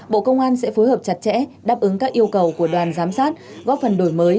bộ công an sẽ phối hợp chặt chẽ đáp ứng các yêu cầu của đoàn giám sát góp phần đổi mới